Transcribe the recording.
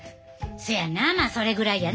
そやなまあそれぐらいやな。